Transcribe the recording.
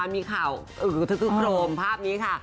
มีข่าวรวมภาพนี้ค่ะ